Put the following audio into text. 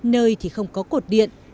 nơi thì không có cột điện